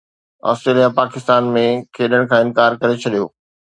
Australia Pakistan ۾ کيڏڻ کان انڪار ڪري ڇڏيو